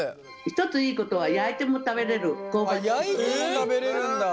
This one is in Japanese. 一ついいことは焼いても食べれるんだ。